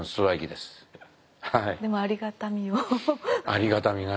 でもありがたみを。